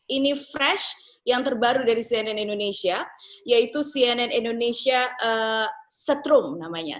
ini fresh yang terbaru dari cnn indonesia yaitu cnn indonesia setrum namanya